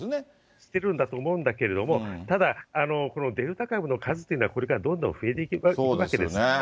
してるんだと思うんだけれども、ただ、このデルタ株の数というのは、これからどんどん増えていくわけですので。